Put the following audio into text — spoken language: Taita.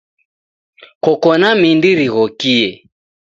Koko na mindi righokie.